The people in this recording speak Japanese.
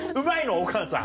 お母さん。